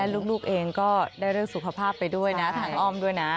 ลูกเองก็ได้เรื่องสุขภาพไปด้วยนะทางอ้อมด้วยนะ